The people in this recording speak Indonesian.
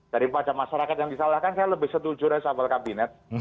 daripada masyarakat yang disalahkan saya lebih setuju resapel kabinet